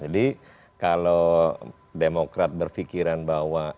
jadi kalau demokrat berfikiran bahwa